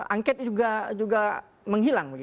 angket juga menghilang